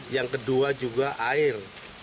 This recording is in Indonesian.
yang kedua juga air